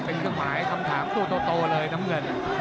เป็นคำถามตัวเลยน้ำเงิน